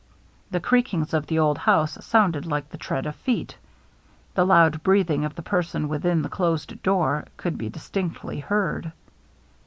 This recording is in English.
The creakings of the old house sounded like the tread of feet. The loud breathing of the person within the closed room could be distinctly heard.